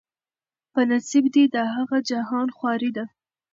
په نصیب دي د هغه جهان خواري ده